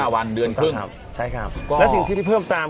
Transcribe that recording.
วันเดือนครึ่งครับใช่ครับและสิ่งที่เพิ่มตาม